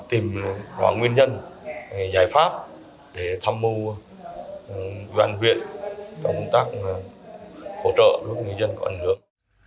tìm đo nguyên nhân giải pháp để tham mưu văn viện công tác hỗ trợ cho người dân có ảnh hưởng